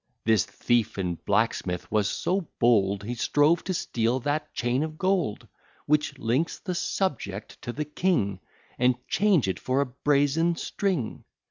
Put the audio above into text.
This thief and blacksmith was so bold, He strove to steal that chain of gold, Which links the subject to the king, And change it for a brazen string.